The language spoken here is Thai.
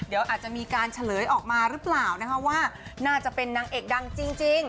เดี๋ยวอาจจะมีการเฉลยออกมาหรือเปล่านะคะว่าน่าจะเป็นนางเอกดังจริง